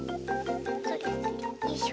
よいしょ。